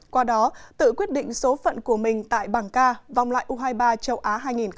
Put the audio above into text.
qua đó tự quyết định số phận của mình tại bảng ca vòng lại u hai mươi ba châu á hai nghìn hai mươi